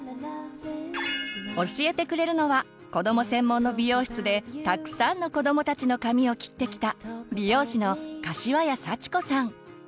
教えてくれるのは子ども専門の美容室でたくさんの子どもたちの髪を切ってきた美容師の柏谷早智子さん。